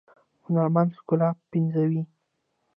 هنرمند ښکلا پنځوي